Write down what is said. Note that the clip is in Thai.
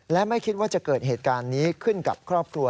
และไม่คิดว่าจะเกิดเหตุการณ์นี้ขึ้นกับครอบครัว